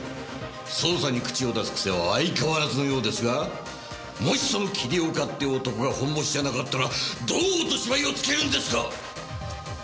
捜査に口を出す癖は相変わらずのようですがもしその桐岡って男がホンボシじゃなかったらどう落とし前をつけるんですか！？